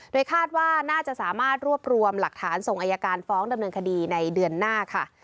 โดยคาดว่าน่าจะสามารถรวบรวมหลักฐานส่งอายการฟ้องดำเนินคดีในเดือนหน้าค่ะ